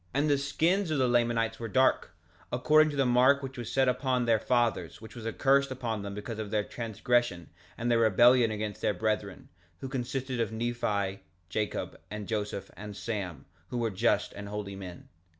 3:6 And the skins of the Lamanites were dark, according to the mark which was set upon their fathers, which was a curse upon them because of their transgression and their rebellion against their brethren, who consisted of Nephi, Jacob, and Joseph, and Sam, who were just and holy men.